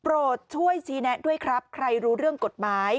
ช่วยชี้แนะด้วยครับใครรู้เรื่องกฎหมาย